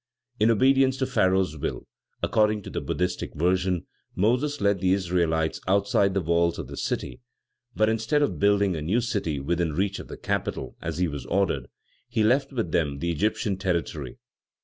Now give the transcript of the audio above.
In obedience to Pharaoh's will according to the Buddhistic version Moses led the Israelites outside the walls of the city; but, instead of building a new city within reach of the capital, as he was ordered, he left with them the Egyptian territory.